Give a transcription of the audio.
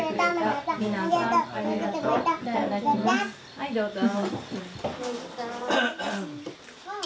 はいどうぞ。